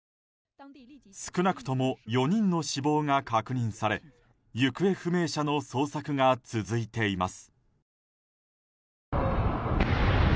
少なくとも４人の死亡が確認され行方不明者の捜索が続いています。